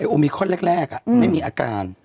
โอมิคอนแรกไม่มีอาการ